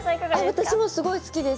私もすごい好きです。